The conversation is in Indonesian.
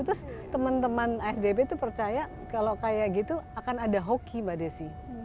terus teman teman asdp itu percaya kalau kayak gitu akan ada hoki mbak desi